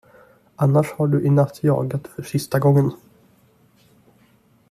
Annars har du i natt jagat för sista gången.